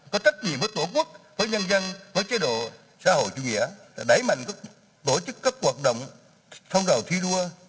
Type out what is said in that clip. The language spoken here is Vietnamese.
hội sinh viên việt nam đã đẩy mạnh các tổ chức các hoạt động phong trào thi đua